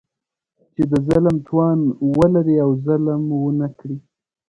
چې د ظلم توان ولري او ظلم ونه کړي.